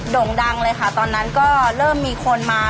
่งดังเลยค่ะตอนนั้นก็เริ่มมีคนมา